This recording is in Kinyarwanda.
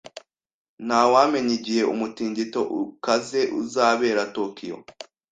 Ntawamenya igihe umutingito ukaze uzabera Tokiyo.